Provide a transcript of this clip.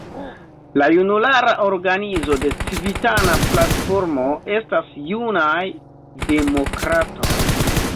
La junulara organizo de Civitana Platformo estas Junaj Demokratoj.